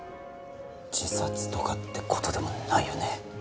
自殺とかってことでもないよね